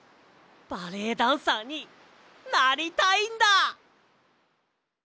バレエダンサーになりたいんだ！